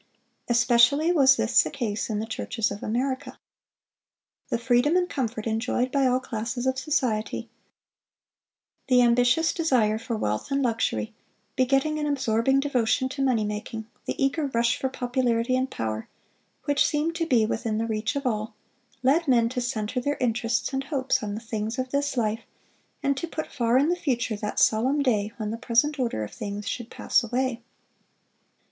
Especially was this the case in the churches of America. The freedom and comfort enjoyed by all classes of society, the ambitious desire for wealth and luxury, begetting an absorbing devotion to money making, the eager rush for popularity and power, which seemed to be within the reach of all, led men to center their interests and hopes on the things of this life, and to put far in the future that solemn day when the present order of things should pass away.